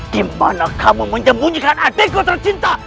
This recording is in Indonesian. dimana kamu menjemputkan adikku tercinta